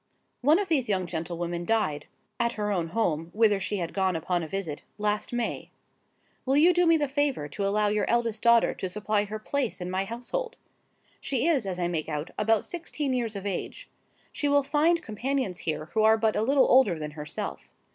One of these young gentlewomen died (at her own home, whither she had gone upon a visit) last May. Will you do me the favour to allow your eldest daughter to supply her place in my household? She is, as I make out, about sixteen years of age. She will find companions here who are but a little older than herself.